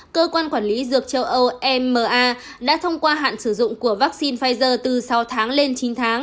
cơ quan quản lý dược châu âu ema đã thông qua hạn sử dụng của vaccine pfizer từ sáu tháng lên chín tháng